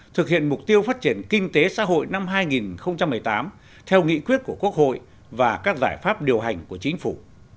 thực hiện mục tiêu phát triển kinh tế xã hội năm hai nghìn một mươi tám theo nghị quyết của quốc hội và các giải pháp điều hành của chính phủ